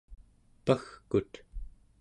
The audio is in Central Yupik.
pagkut